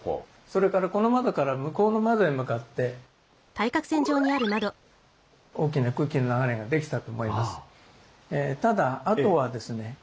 それからこの窓から向こうの窓へ向かって大きな空気の流れができたと思います。